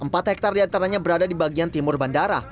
empat hektare diantaranya berada di bagian timur bandara